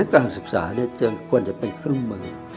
การศึกษาจึงควรจะเป็นเครื่องมือ